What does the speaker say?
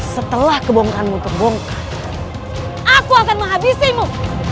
setelah kebohonganmu terbongkar aku akan menghabisimu